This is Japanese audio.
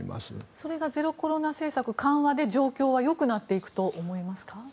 それがゼロコロナ政策緩和で状況はよくなっていくと思いますか。